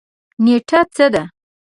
نیټه څه ده؟